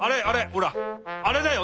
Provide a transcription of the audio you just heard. ほらあれだよ！